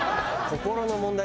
心の問題。